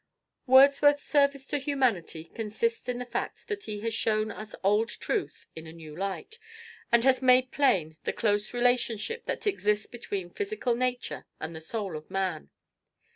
Wordsworth's service to humanity consists in the fact that he has shown us old truth in a new light, and has made plain the close relationship that exists between physical nature and the soul of man.